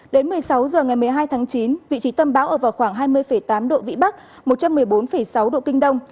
đến một mươi sáu h ngày một mươi hai tháng chín vị trí tâm bão ở vào khoảng hai mươi tám độ vĩ bắc một trăm một mươi bốn sáu độ kinh đông